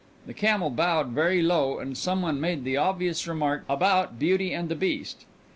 The camel bowed very low and some one made the obvious remark about beauty and the beast.